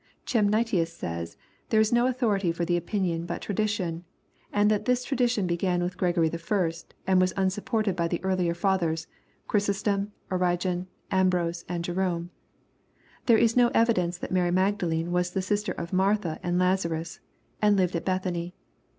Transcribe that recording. Chemnitius says there is no authority for the opinion but tradition, and that this tra dition began with Gregory the Firsts and wad unsupported by Hke earlier faOiers, Chrysostom, Origen, Ambrose, and Jerome. Inhere is no evidence that Mary Magdalene was the sister of Martha and Lazarus, and lived at Bethany.